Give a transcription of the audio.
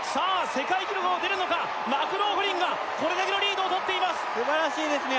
世界記録は出るのかマクローフリンがこれだけのリードをとっています素晴らしいですね